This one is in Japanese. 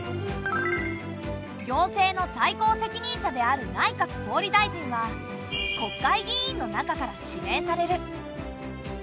行政の最高責任者である内閣総理大臣は国会議員の中から指名される。